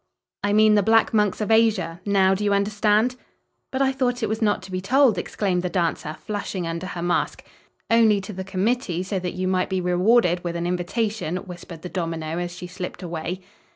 "I mean the Black Monks of Asia. Now, do you understand?" "But I thought it was not to be told," exclaimed the dancer, flushing under her mask. "Only to the committee so that you might be rewarded with an invitation," whispered the domino, as she slipped away.